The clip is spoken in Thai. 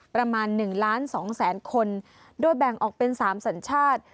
ประมาณ๑ล้าน๒แสนคนโดยแบ่งออกเป็น๓สัญชาติ